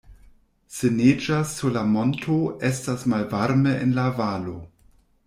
Se neĝas sur la monto, estas malvarme en la valo.